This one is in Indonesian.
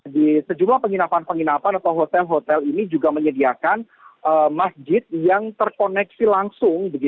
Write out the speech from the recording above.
di sejumlah penginapan penginapan atau hotel hotel ini juga menyediakan masjid yang terkoneksi langsung